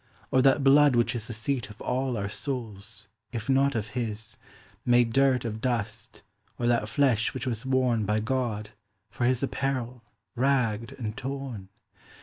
or that blood which isThe seat of all our Soules, if not of his, Made durt of dust, or that flesh which was worneBy God, for his apparell, rag'd, and torne?